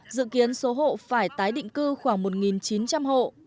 dự kiến số hộ phải tái định cư khoảng một chín trăm linh hộ